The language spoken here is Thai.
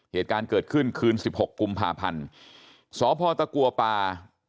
เหตุการณ์เกิดขึ้นคืนสิบหกกุมภาพันธ์สพตะกัวป่า